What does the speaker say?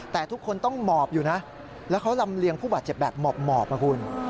แต่ทุกคนต้องหมอบอยู่นะแล้วเขาลำเลียงผู้บาดเจ็บแบบหมอบนะคุณ